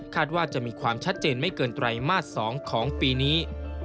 ว่าจะมีความชัดเจนไม่เกินไตรมาส๒ของปีนี้